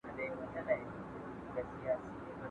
¬ لېوني تې ويل ورور لرې، ده ول تاتې در وښيم چي مړ ئې کې.